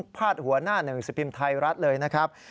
พาดหัวหน้าหนึ่งสิบพิมพ์ไทยรัฐเลยนะครับ